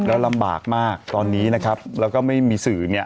แล้วลำบากมากตอนนี้นะครับแล้วก็ไม่มีสื่อเนี่ย